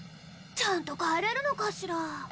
ちゃんと帰れるのかしら？